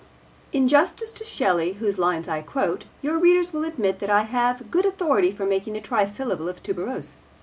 In justice to Shelley, whose lines I quote, your readers will admit that I have good authority for making a trisyllable of tuberose.